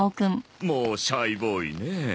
もうシャイボーイねえ。